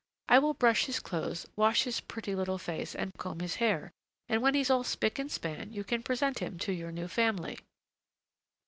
"I will brush his clothes, wash his pretty little face, and comb his hair, and when he's all spick and span, you can present him to your new family."